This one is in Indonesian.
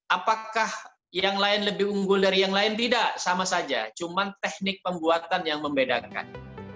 apakah yang lain lebih unggul dari yang lain tidak sama saja cuma teknik pembuatan yang membedakan